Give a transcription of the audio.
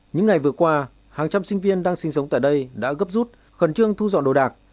những ngày vừa qua hàng trăm sinh viên đang sinh sống tại đây đã gấp rút khẩn trương thu dọn đồ đạc